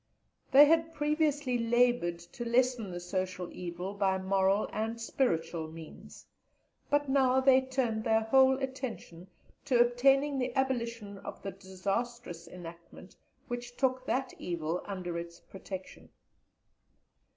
They had previously laboured to lessen the social evil by moral and spiritual means, but now they turned their whole attention to obtaining the abolition of the disastrous enactment which took that evil under its protection.